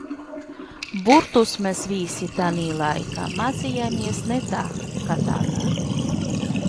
Burtus mēs visi tanī laikā mācījāmies ne tā kā tagad.